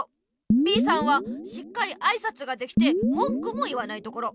Ｂさんはしっかりあいさつができてもんくも言わないところ。